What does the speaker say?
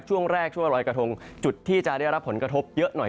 ช่วงแรกช่วงรอยกระทงจุดที่จะได้รับผลกระทบเยอะหน่อย